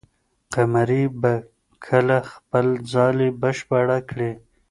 قمري به کله خپله ځالۍ بشپړه کړي؟